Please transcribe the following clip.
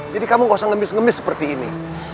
jadi kamu gak usah ngemis ngemis seperti ini